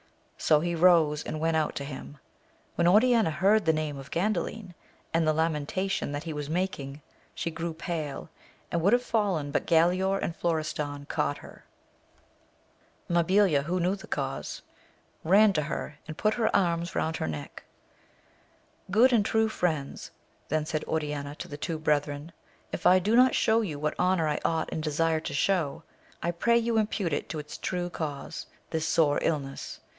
So he rose, and went out to him. When Oriana heard the name of Gandalio, and the lamentation that he was making, she grew pale, and would have fallen, but Galaor and Florestan caught her. Mabilia, who knew the cause, ran to her. 8 AMADIS OF GAUL. and put her arms round her neck. Good and true friends, then said Oriana to the two brethren, if I do not show you what honour I ought and desire to show, I pray you impute it to its true cause, this sore illness